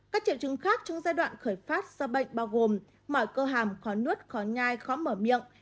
các triệu chứng khác trong giai đoạn khởi phát do bệnh bao gồm mọi cơ hàm khó nuốt khó nhai khó mở miệng